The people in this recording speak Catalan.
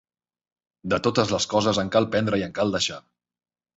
De totes les coses en cal prendre i en cal deixar.